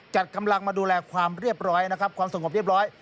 จัดกำลังมาดูแลความเรียบร้อยนะครับความสงบเรียบร้อย